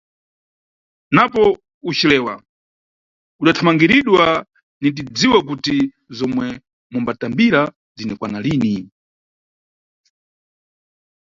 Napo ucilewa udamangiridwa, tinidziwa kuti zomwe mumbatambira zinikwana lini.